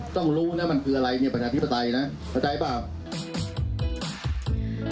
ต้องรู้นะมันคืออะไรปัญหาธิปไตยนะปัญหาธิปไตยเปล่า